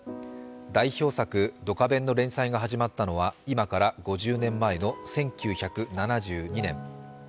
代表作「ドカベン」の連載が始まったのは今から５０年前の１９７２年。